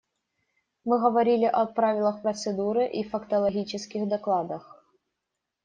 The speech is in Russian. Мы говорили о правилах процедуры и фактологических докладах.